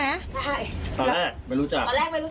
ใช่ตอนแรกไม่รู้จัก